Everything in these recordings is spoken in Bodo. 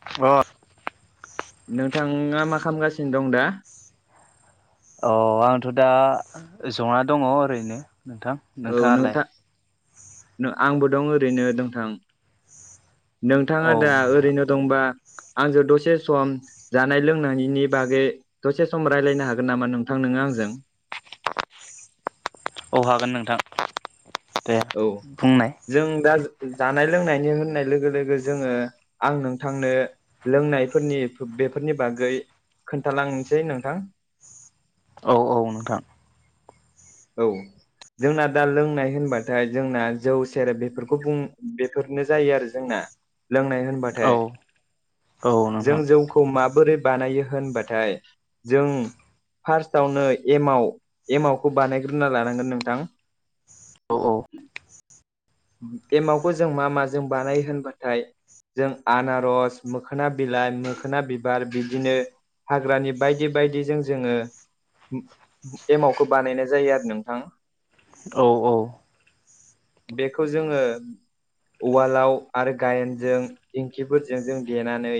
अ नोंथाङा मा खालामगासिनो दं दा? अ आंथ' दा जना दङ ओरैनो नोंथां औ नोंथाङालाय नोंथां नों आंबो दं ओरैनो नोंथां नोंथाङा औ दा नोंथां ओरैनो दंबा आंजों दसे सम जानाय लोंनायनि बागै दसे सम रायज्लायनो हागोन नामा नोंथां नोङो आंजों? औ हागोन नोंथां दे औ बुंनाय जों दा जानाय लोंनायनि होननाय लोगो लोगो जोङो आं नोंथांनो लोंनायफोरनि बेफोरनि बागै खोन्थालांसै नोंथां औ औ नोंथां औ जोंना दा लोंनाय होनबाथाय जोंना जौ सेरेब बेफोरखौ बुं बेफोरनो जायो आरो जोंना। लोंनाय औ होनबाथाय औ जों नोंथां जौ खौ माबोरै बानायो होनबाथाय जों फार्स्टआवनो एमाव एम आवखौ बानायग्रोना लानांगोन नोंथां। औ औ एमावखौ जों मा माजों बानायो होनबाथाय जों आनारस मोखोना बिलाइ मोखोना बिबार बिदिनो हाग्रानि बायदि बायदिजों जोङो एमावखौ बानायनाय जायो आरो नोंथां। औ औ बेखौ जोङो उवालाव आरो गायेनजों इंखिफोरजोंजों देनानै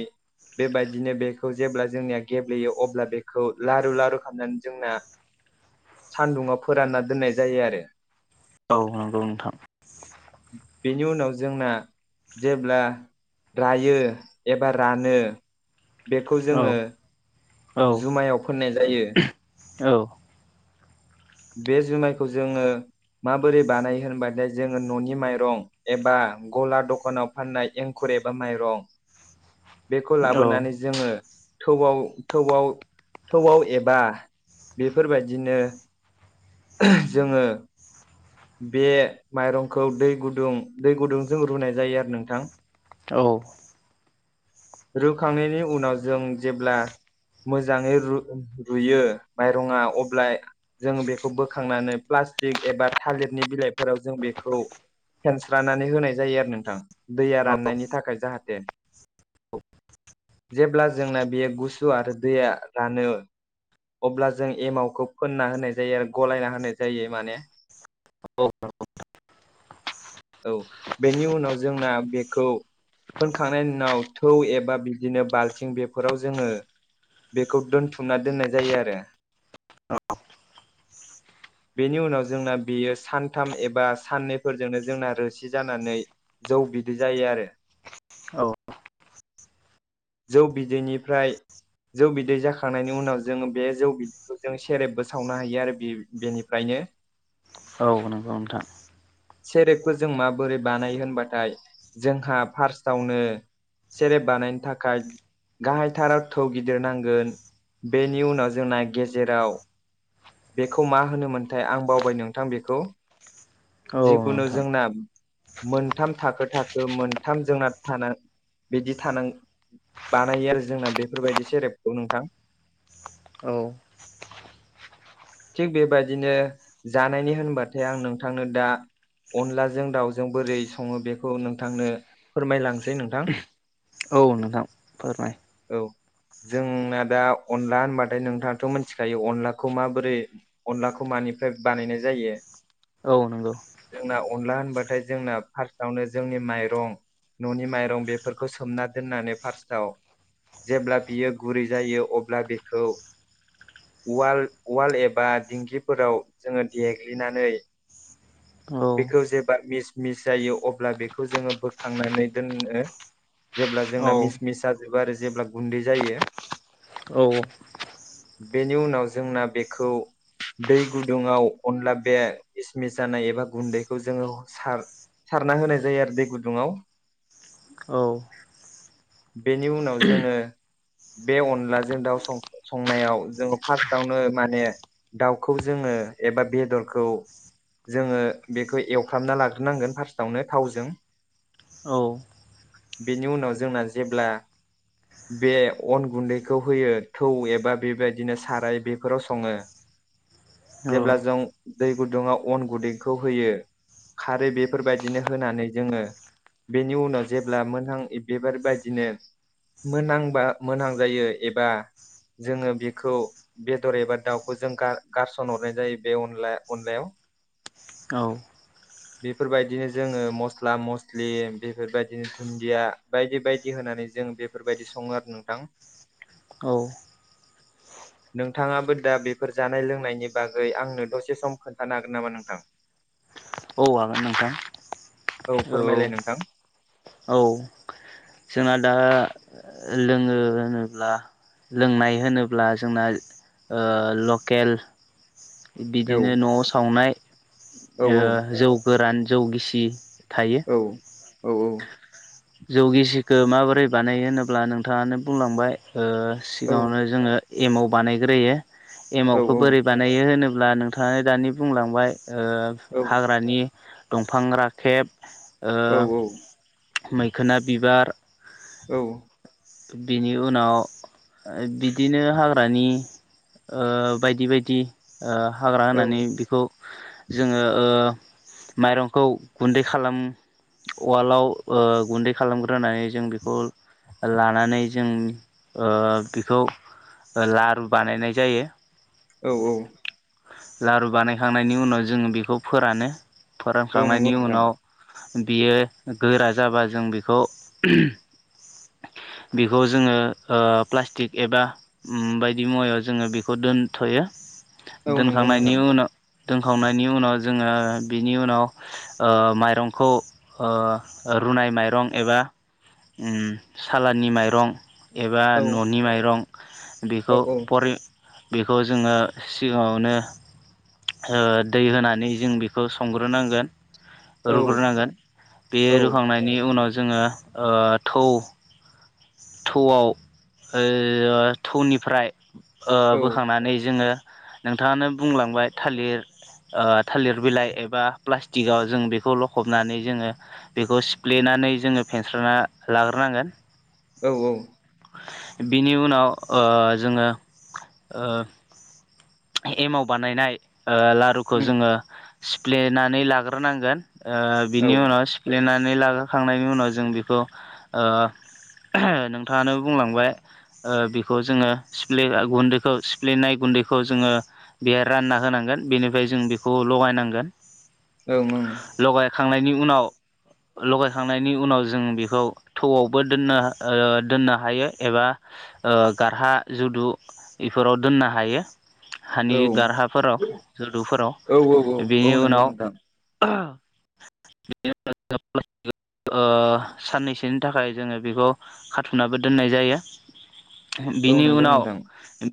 बेबायदिनो बेखौ जेब्ला जोंनिया गेब्लेयो अब्ला बेखौ लारु लारु खालामनानै जोंना। सानदुङाव फोरानना दोननाय जायो आरो। औ नंगौ नोंथां। बेनि उनाव जोंना जेब्ला रायो एबा रानो बेखौ औ जोङो औ जुमायाव फोननाय जायो। औ बे जुमायखौ जोङो माबोरै बानायो होनबाथायाय जोङो न'नि माइरं, एबा गला दखानाव फाननाय एंखुर एबा माइरं बेखौ औ लाबोनानै जोङो थौआव थौआव थौआव एबा बेफोरबायदिनो जोङो बे माइरंखौ दै गुदुं दै गुदुंजों रुनाय जायो आरो नोंथां। औ रुखांनायनि उनाव जों जेब्ला मोजाङै रुयो माइरंआ अब्ला जों बेखौ बोखांनानै प्लास्टिक एबा थालिरनि बिलाइफोराव जों बेखौ फेनस्रानानै होनाय जायो आरो नोंथां दैया राननायनि थाखाय जाहाथे। औ जेब्ला जोंना बेयो गुसु आरो दैया रानो। अब्ला जों एमावखौ फोनना होनाय जायो आरो गलायना होनाय जायो माने। औ औ बेनि उनाव जोंना बेखौ फोनखांनायनि उनाव थौ एबा बिदिनो बाल्थिं बेफोराव जोङो बेखौ दोनथुमना दोननाय जायो आरो। बेनि उनाव जोंना बेयो सानथाम एबा साननैफोरजोंनो जोंना रोसि जानानै जौ बिदै जायो आरो। औ जौ बिदैनिफ्राय जौ बिदै जाखांनायनि उनाव जोङो बे जौ बिदैखौ जों सेरेबबो सावनो हायो आरो बे बेनिफ्रायनो। औ नंगौ नोंथां। सेरेबखौ जों माबोरै बानायो होनबाथाय जोंहा फार्स्टआवनो सेरेब बानायनो थाखाय गाहायथाराव थौ गिदिर नांगोन बेनि उनाव जोंना गेजेराव बेखौ मा होनोमोनथाय आं बावबाय नोंथां बेखौ औ जिखुनु नोंथां जोंना मोनथाम थाखो थाखो मोनथाम जोंना थाना बिदि थानां बानायो आरो जोंना बेफोरबायदि सेरेबखौ नोंथां। औ थिग बेबाददिनो जानायनि होनबाथाय आं नोंथांनो दा अनलाजों दाउजों बोरै सङो बेखौ नोंथांनो फोरमायलांसै नोंथां। औ नोंथां फोरमाय। औ जोंना दा अनला होनबाथाय नोंथाङाथ' मिथिखायो अनला खौ माबोरै अनलाखौ मानिफ्राय बानायनाय जायो। औ नंगौ जोंना अनला होनबाथाय जोंना फार्स्टआवनो जोंनि माइरं न'नि माइरं बेफोरखौ सोमना दोननानै फार्स्टआव जेब्ला बियो गुरै जायो अब्ला बेखौ उवाल उवाल एबा दिंखिफोराव जोङो देग्लिनानै औ बेखौ जेब्ला मिस मिस जायो अब्ला बेखौ जोङो बोखांनानै दोनो। जेब्ला औ जोंना मिस मिस जाजोबो आरो जेब्ला गुन्दै जायो। औ बेनि उनाव जोंना बेखौ दै गुदुङाव अनला बे इसमिस जानाय एबा गुन्दैखौ जोङो सार सारना होनाय जायो आरो दै गुदुङाव। औ बेनि उनाव जोङो बे अनलाजों दाउ संनायाव जोङो फार्स्टावनो माने दाउखौ जोङो एबा बेदरखौ जोङो बेखौ एवफ्रामना लाग्रोनांगोन फार्स्टआवनो थावजों। औ बेनि उनाव जोंना जेब्ला बे अन गुन्दैखौ होयो थौ एबा बेबायदिनो साराय बे फोराव सङो जेब्ला जों दै गुदुङाव अन गुदैखौ होयो। खारै बेफोरबायदिनो होनानै जोङो बेनि उनाव जेब्ला मोनहां बिबार बायदिनो मोनांबा मोनां जायो एबा जोङो बेखौ बेदर एबा दाउखौ जों गार गारसन हरनाय जायो बे अनला अनलायाव औ बेफोरबायदिनो जोङो मस्ला मस्लि बेफोरबायदिनो दुन्दिया बायदि बायदि होनानै जों बेफोरबायदि सङो आरो नोंथां। औ नोंथाङाबो दा बेफोर जानाय लोंनायनि बागै आंनो दसे सम खोन्थानो हागोन नामा नोंथां? [inaudible] औ हागोन नोंथां। औ फोरमायलाय नोंथां। औ जोंहा दा लोङो होनोब्ला। लोंनाय होनोब्ला जोंना ओ लकेल औ बिदिनो न'आव सावनाय औ जौ गोरान जौ गिसि थायो। औ औ औ जौ गिसिखो माबोरै बानायो होनोब्ला नोंथाङानो बुंलांबाय ओ औ सिगाङावनो जोङो एमाव बानायग्रोयो औ एमावखो बोरै बानायो होनोब्ला नोंथाङा दानि बुंलांबाय औ हाग्रानि दंफां राखेब ओ औ औ मैखोना बिबार। औ बिनि उनाव बिदिनो हाग्रानि ओ बायदि बायदि ओ हाग्रा होनानै बिखौ जोङो ओ माइरंखौ गुन्दै खालाम उवालाव गुन्दै खालामग्रोनानै जों बेखौ लानानै जों ओ बेखौ लारु बानायनाय जायो। औ औ लारु बानायखांनायनि उनाव जोङो बेखौ फोरानो औ नंगौ फोरानखांनायनि नोंथां उनाव बियो गोरा जाबा जों बेखौ [unintelligible] बेखौ जोङो प्लास्टिक एबा बायदि मुवायाव जोङो बेखौ दोनथ'यो। औ नंगौ दोनखांनायनि नोंथां उनाव दोनखांनायनि उनाव जोङो बिनि उनाव माइरंखौ रुनाय माइरं एबा उम सालानि माइरं एबा औ न'नि माइरं बेखौ औ औ परे बेखौ जोङो सि गाङावनो दै होनानै जों बेखौ संग्रोनांगोन। औ रुग्रोनांगोन बे औ रुखांनायनि उनाव जोङो ओ थौ थौआव थौनिफ्राय औ बोखांनानै जोङो नोंथाङानो बुंलांबाय थालिर थालिर बिलाइ एबा प्लास्टिकआव जों बेखौ लखबनानै जोङो बेखौ सिफ्लेनानै जोङो फेरस्राना लाग्रोनांगोन। औ औ बिनि उनाव ओ जोङो ओ एमाव बानायनाय लारुखौ जोङो सिफ्लेनानै लाग्रोनांगोन। बिनि उनाव सिफ्लेनानै लागाखांनायनि उनाव जों बेखौ [unintelligible] नोंथाङानो बुंलांबाय। बेखौ जोङो सिफ्ले गुन्दैखौ सिफ्लेनाय गुन्दैखौ जोङो बेहाय रानना होनांगोन बेनिफ्राय जों बेखौ लगायनांगोन ओं ओं लगायखांनायनि उनाव लगायखांनायनि उनाव जों बेखौ थौआवबो दोननो दोननो हायो एबा गारहा जुदु बेफोराव दोननो हायो हानि औ गारहाफोराव औ जोलुफोराव औ औ औ बेनि नंगौ उनाव नोंथां ओ [unintelligible] साननैसोनि थाखाय जोङो बेखौ काथुमनाबो दोननाय जायो औ बिनि नंगौ उनाव नोंथां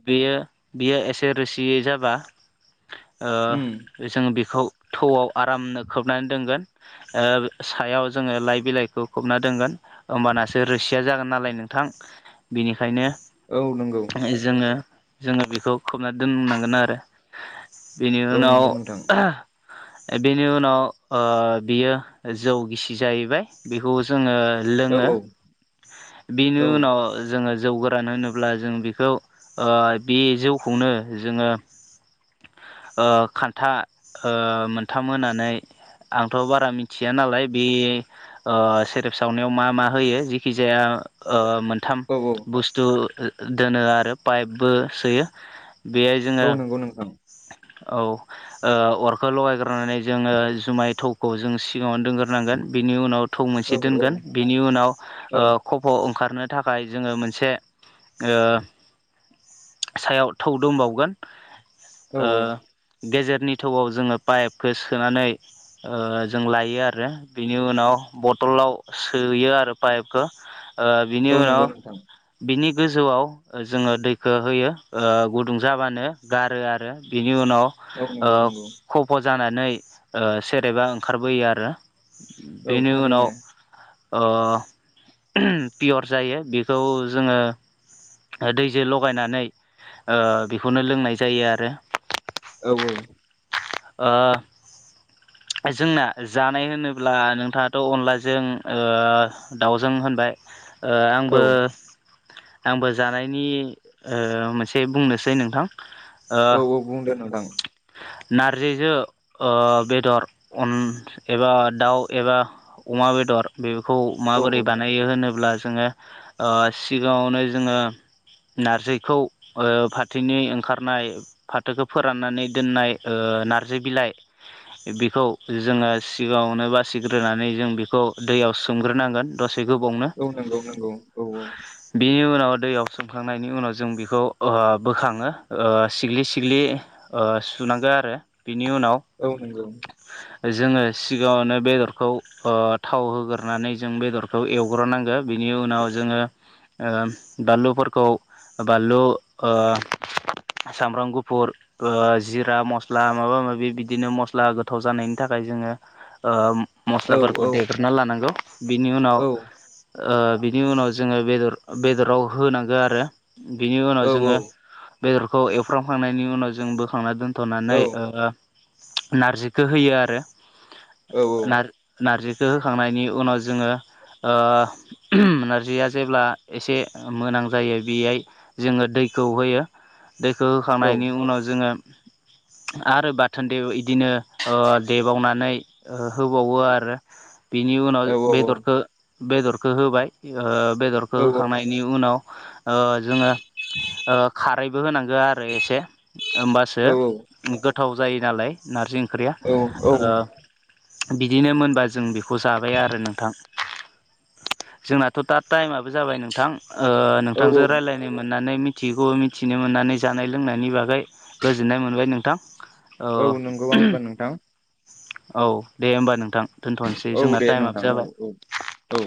बेयो बियो एसे रोसियै जाबा ओ उम जोङो बेखौ थौआव आरामनो खोबनानै दोनगोन ओ सायाव जोङो लाइ बिलाइखौ खबना दोनगोन होमबानासो रोसिया जागोन नालाय नोंथां बिनिखायनो औ नंगौ जोङो जोङो बेखौ खोबना दोननांगोन आरो बेनि औ नंगौ उनाव नोंथां ए बेनि उनाव ओ बियो जौ गिसि जाहैबाय बेखौ जोङो औ लोङो औ औ बेनि उनाव जोङो जौ गोरान होनोब्ला जों बिखौ ओ बे जौखौनो जोङो ओ खान्था ओ मोनथाम होनानै आंथ' बारा मिथिया नालाय बे ओ सेरेब सावनायाव मा मा होयो जेखि जाया ओ मोन थाम औ बुस्थु दोनो आरो पाइपबो सोयो बेहाय जोङो औ नंगौ नोंथां औ अरखौ लगायग्रोनानै जोङो जुमाय थौखौ जों सिगाङावनो दोनग्रोनांगोन बिनि उनाव थौ औ मोनसे दोनगोन बेनि उनाव औ खफ' ओंखारनो थाखाय जोङो मोनसे सायाव थौ दोनबावगोन औ ओ गेजेरनि थौआव जोङो पाइपखौ सोनानै ओ जों लायो आरो बिनि उनाव बथलाव सोयो आरो पाइपखौ बिनि औ उनाव नंगौ नोंथां बिनि गोजौआव जोङो दैखो होयो गुदुं जाबानो गारो आरो बिनि उनाव औ नंगौ नंगौ खफ' जानानै ओ सेरेबा ओंखारबोयो आरो औ बेनि उनाव थारैनो ओ ओहोम पियर जायो बेखौ जोङो ओ दैजो लागायनानै ओ बेखौनो लोंनाय जायो आरो औ औ ओ जोंना जानाय होनोब्ला नोंथाङाथ' अनलाजों दाउजों होनबाय ओ औ आंबो आंबो जानायनि ओ मोनसे बुंनोसै नोंथां औ औ बुंदो नोंथां नारजिजो ओ बेदर अन एबा दाउ एबा अमा बेदर बेखौ औ माबोरै औ बानाय नायो होनोब्ला जोङो ओ सिगाङावनो जोङो नारजिखौ फाथैनि ओंखारनाय फाथोखौ फोराननानै दोननाय ओ नारजि बिलाइ [unintelligible] बिखौ जोङो सिगाङावनो बासिग्रोनानै जों बिखौ दैयाव सोमग्रोनांगोन दसे बेखौबावनो औ नंगौ नंगौ औ औ बिनि उनाव दैयाव सोमखांनायनि उनाव जों बेखौ बोखाङो सिग्लि सिग्लि सुनांगो आरो बिनि उनाव औ नंगौ। जोङो सिगाङावनो बेदरखौ थाव होगोरनानै जों बेदरखौ एवग्रोनांगो। बिनि उनाव जोङो ओ दालुफोरखौ बानलु ओ सामब्राम गुफुर ओ जिरा मस्ला माबा माबि बिदिनो मस्ला गोथाव जानायनि थाखाय जोङो ओ औ औ मस्लाफोरखौ देग्रोना लानांगौ बिनि उनाव औ बिनि उनाव जोङो बेदर बेदराव होनांगौ आरो बेनि उनाव औ औ जोङो बेदरखौ एवफ्रामखांनायनि उनाव जों बोखांना दोन फथ'नानै ओ नारजिखौ होयो आरो औ औ नार नारजिखो होखांनायनि उनाव जोङो ओ नारजिया जेब्ला एसे मोनां जायो बेयाय जोङो दैखौ होयो दैखो औ होखांनायनि उनाव जोङो [inaudible] आरो बाथोन दे बिदिनो देबावनानै होबावो आरो बिनि उनाव बेदरखौ बेदरखौ होबाय बेदरखौ होखांनायनि बेनि उनाव ओ जोङो ओ खारैबो होनांगो आरो एसे ओमबासो गोथाव जायो नालाय नारजि ओंख्रिया ओ बिदिनो मोनबा जों बेखौ खौ जाबाय आरो नोंथां जोंनाथ' दा टाइमा बो जाबाय नोंथां नोंथांजों रायज्लाय मिनि मोननानै मिथियैगौ मिथिनो मोननानै जानाय लोंनायनि बागै गोजोननाय मोनबाय नोंथां। ओ ओ औ नंगौ आंबो नोंथां ओहोम औ दे होमबा नोंथां। दोनथ'नोसै औ जोंना दे टाइमआबो नोंथां औ जाबाय। औ औ